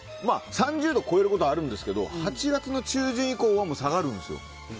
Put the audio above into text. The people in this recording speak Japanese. ３０度を超えることはあるんですけど８月の中旬以降はもう下がるんですよ